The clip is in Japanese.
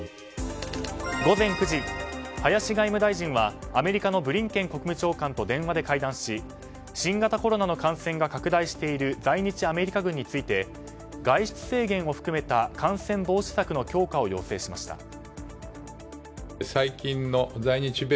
午前９時、林外務大臣はアメリカのブリンケン国務長官と電話で会談し新型コロナの感染が拡大している在日アメリカ軍について外出制限を含めた感染防止策の強化を要請しました。